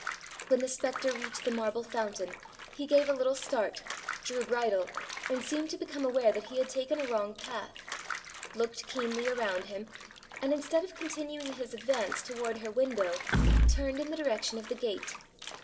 When the spectre reached the marble fountain, he gave a little start, drew bridle, and seemed to become aware that he had taken a wrong path, looked keenly around him, and instead of continuing his advance towards her window, turned in the direction of the gate.